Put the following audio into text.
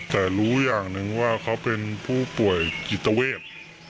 แต่รู้อย่างหนึ่งว่าเขาเป็นผู้ป่วยจิตเวท